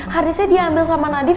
harddisknya diambil sama nadif